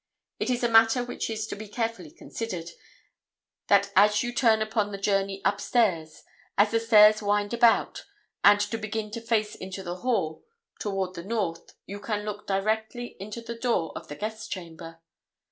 It is a matter which is to be carefully considered, that as you turn upon the journey upstairs, as the stairs wind about, and to begin to face into the hall toward the north, you can look directly into the door of the guest chamber.